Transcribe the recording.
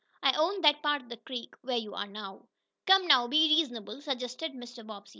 I own that part of the creek where you are now." "Come now, be reasonable," suggested Mr. Bobbsey.